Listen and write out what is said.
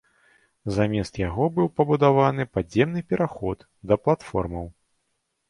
Замест яго быў пабудаваны падземны пераход да платформаў.